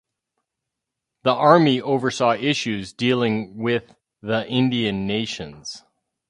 The Army oversaw issues dealing with the Indian Nations.